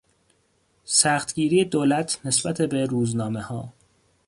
سختگیری دولت نسبت به روزنامهها